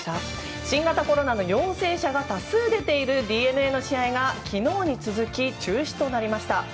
新型コロナの陽性者が多数出ているＤｅＮＡの試合が昨日に続き、中止となりました。